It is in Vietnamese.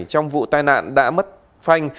trong vụ tai nạn đã mất phanh